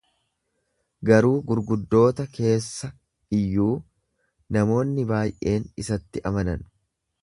Garuu gurguddoota keessa iyyuu namoonni baay’een isatti amanan.